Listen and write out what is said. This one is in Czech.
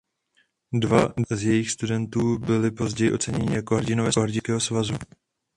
Dva z jejích studentů byli později oceněni jako Hrdinové Sovětského svazu.